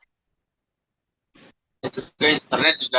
itu juga internet juga